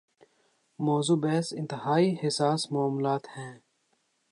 موضوع بحث انتہائی حساس معاملات ہیں۔